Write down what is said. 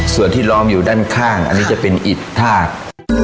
ส่วนที่ล้อมอยู่ด้านข้างอันนี้จะเป็นอิดทาก